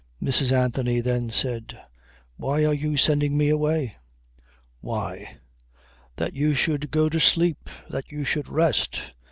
Mrs. Anthony then said: "Why are you sending me away?" "Why! That you should go to sleep. That you should rest."